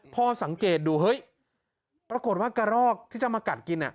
พอสังเกตดูเฮ้ยปรากฏว่ากระรอกที่จะมากัดกิน